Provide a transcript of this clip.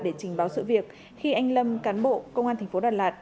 để trình báo sự việc khi anh lâm cán bộ công an tp đà lạt